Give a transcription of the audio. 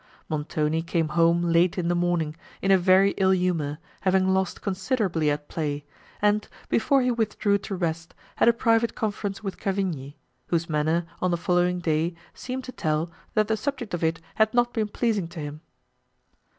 Montoni came home late in the morning, in a very ill humour, having lost considerably at play, and, before he withdrew to rest, had a private conference with Cavigni, whose manner, on the following day, seemed to tell, that the subject of it had not been pleasing to him.